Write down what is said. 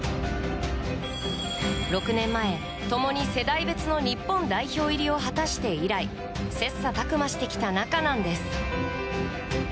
６年前、共に世代別の日本代表入りを果たして以来切磋琢磨してきた仲なんです。